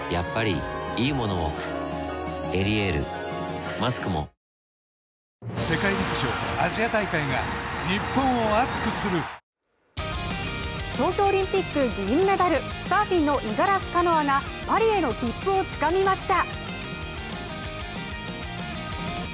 「エリエール」マスクも東京オリンピック銀メダル、サーフィンの五十嵐カノアがパリへの切符をつかみました。